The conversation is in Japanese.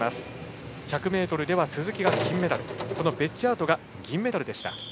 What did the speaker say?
１００ｍでは鈴木が金メダルベッジャートが銀メダルでした。